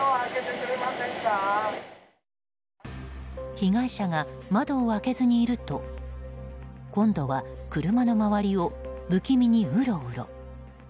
被害者が窓を開けずにいると今度は車の周りを不気味にうろうろ。